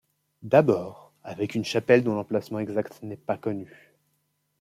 D'abord, avec une chapelle, dont l'emplacement exact n'est pas connu.